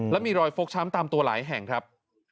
และมีรอยฟกช้ำตามตัวหลายแห่งครับ